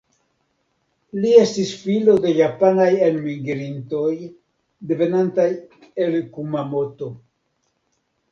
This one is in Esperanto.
Li estis filo de japanaj enmigrintoj, devenantaj el Kumamoto.